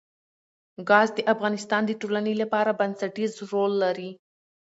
ګاز د افغانستان د ټولنې لپاره بنسټيز رول لري.